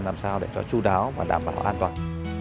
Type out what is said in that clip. làm sao để cho chú đáo và đảm bảo an toàn